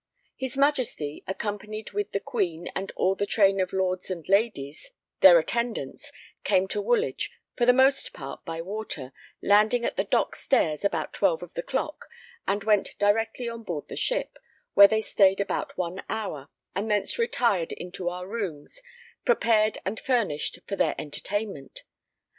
His Majesty, accompanied with the Queen and all the train of lords and ladies, their attendants, came to Woolwich, for the most part by water, landing at the dock stairs about 12 of the clock, and went directly on board the ship, where they stayed about one hour, and thence retired into our rooms, prepared and furnished for their entertainment.